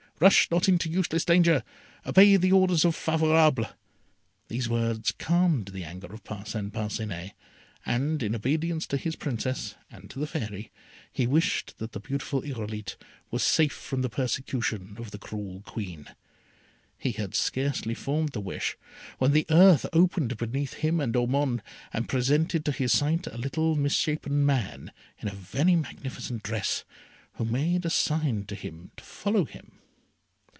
Rush not into useless danger! Obey the orders of Favourable!" These words calmed the anger of Parcin Parcinet, and in obedience to his Princess, and to the Fairy, he wished that the beautiful Irolite was safe from the persecution of the cruel Queen. He had scarcely formed the wish, when the earth opened between him and Ormond, and presented to his sight a little misshapen man in a very magnificent dress, who made a sign to him to follow him.